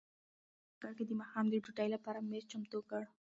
شریف په انګړ کې د ماښام د ډوډۍ لپاره مېز چمتو کړ.